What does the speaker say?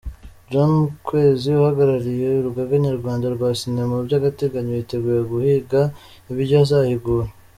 John Kwezi uhagarariye Urugaga Nyarwanda rwa Sinema by'agateganyo yiteguye guhiga ibyo azahigura.